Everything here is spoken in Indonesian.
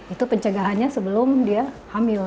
itu pencegahannya sebelum dia hamil